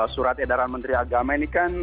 surat edaran menteri agama ini kan